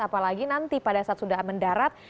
apalagi nanti pada saat sudah mendarat